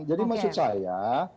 jadi maksud saya